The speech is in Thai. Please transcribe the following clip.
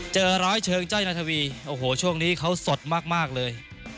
เจอร้อยเชิงจ้อยนาธวีโอ้โหช่วงนี้เขาสดมากเลย